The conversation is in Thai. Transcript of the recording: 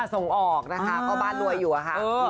ส่งออกนะคะเพราะบ้านรวยอยู่อะค่ะ